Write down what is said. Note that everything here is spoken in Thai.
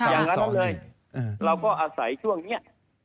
อย่างนั้นเลยเราก็อาศัยช่วงนี้